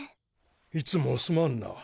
いつもすまんな。